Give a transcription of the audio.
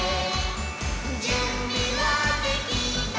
「じゅんびはできた？